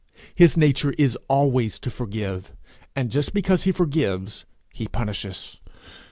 His nature is always to forgive, and just because he forgives, he punishes.